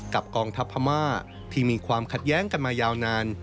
กองทัพพม่าที่มีความขัดแย้งกันมายาวนาน